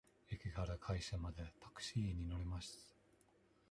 駅から会社までタクシーに乗ります。